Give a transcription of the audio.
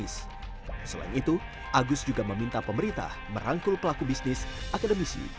selain itu agus juga meminta pemerintah merangkul pelaku bisnis akademisi